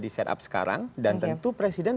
di set up sekarang dan tentu presiden